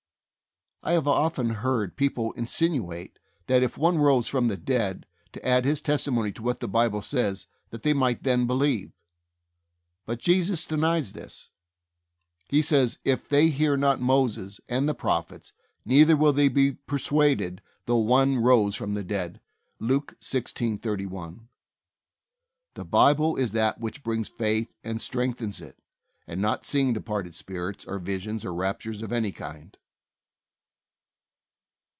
I have often heard people insinuate that if one rose from the dead to add his testi mony to what the Bible says that they might then believe. But Jesus denies this. He says, "If they hear not Moses and the prophets, neither will they be persuaded though one rose from the dead." (Luke i6: 31.) The Bible is that which brings faith and strength ens it, and not seeing departed spirits, or visions, or raptures of any kind.